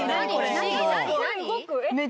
何？